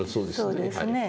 そうですね。